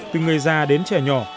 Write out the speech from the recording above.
từ người già đến trẻ nhỏ